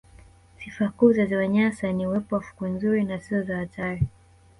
Sifa kuu ya ziwa Nyasa ni uwepo wa fukwe nzuri na zisizo za hatari